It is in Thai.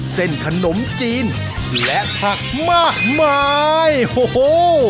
เส้นขนมจีนและผักมากมายโฮโห